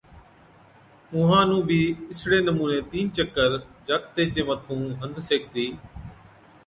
اُونھان نُون بِي اِسڙي نمُوني تين چڪر جاکَتي چي مَٿُون ھٿ سيڪتِي